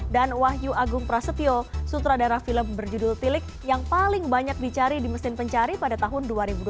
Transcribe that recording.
dan wahyu agung prasetyo sutradara film berjudul tilik yang paling banyak dicari di mesin pencari pada tahun dua ribu dua puluh